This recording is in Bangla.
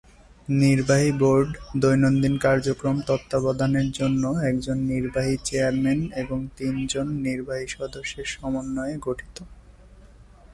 নির্বাহী বোর্ড দৈনন্দিন কার্যক্রম তত্ত্বাবধানের জন্য একজন নির্বাহী চেয়ারম্যান এবং তিন জন নির্বাহী সদস্যের সমন্বয়ে গঠিত।